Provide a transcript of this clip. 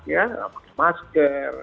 ya pakai masker